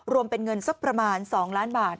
รวมเป็นเงินสักประมาณ๒ล้านบาท